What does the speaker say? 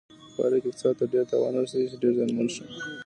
په پایله کې اقتصاد ته ډیر تاوان ورسېده چې ډېر زیانمن شو.